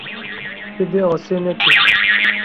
Tu dê asê nekî.